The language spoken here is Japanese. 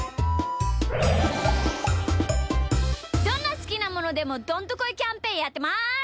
どんなすきなものでもどんとこいキャンペーンやってます。